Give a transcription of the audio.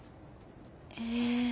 ええ。